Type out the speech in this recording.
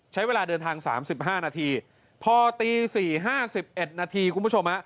ใช้เวลาเดินทาง๓๕นาทีพอตี๔๕๑นาทีคุณผู้ชม